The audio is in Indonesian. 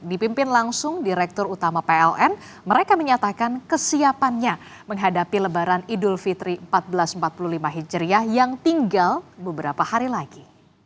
dipimpin langsung direktur utama pln mereka menyatakan kesiapannya menghadapi lebaran idul fitri seribu empat ratus empat puluh lima hijriah yang tinggal beberapa hari lagi